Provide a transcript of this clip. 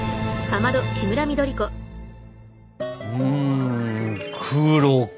うん黒か。